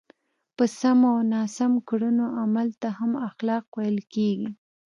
په سمو او ناسم کړنو عمل ته هم اخلاق ویل کېږي.